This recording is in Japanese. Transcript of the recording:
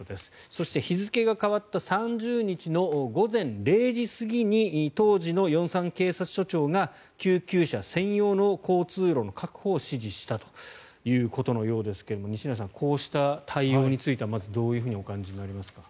そして、日付が変わった３０日の午前０時過ぎに当時の龍山警察署長が救急車専用の交通路の確保を指示したということのようですが西成さんこうした対応についてはまず、どうお感じになりますか？